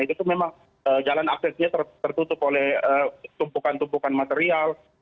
itu memang jalan aksesnya tertutup oleh tumpukan tumpukan material